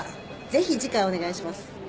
ぜひ次回お願いします。